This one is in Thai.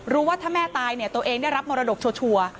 ว่าถ้าแม่ตายเนี่ยตัวเองได้รับมรดกชัวร์